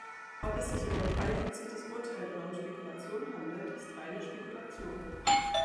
Ob es sich um ein qualifiziertes Urteil oder um Spekulation handelt, ist reine Spekulation.